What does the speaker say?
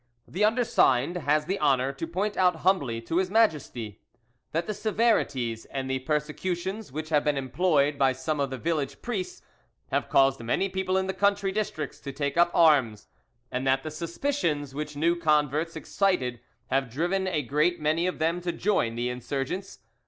"The undersigned has the honour to point out humbly to His Majesty: "That the severities and the persecutions which have been employed by some of the village priests have caused many people in the country districts to take up arms, and that the suspicions which new converts excited have driven a great many of them to join the insurgents.